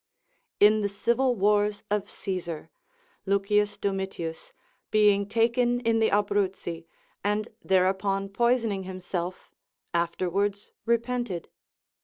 In the civil wars of Caesar, Lucius Domitius, being taken in the Abruzzi, and thereupon poisoning himself, afterwards repented.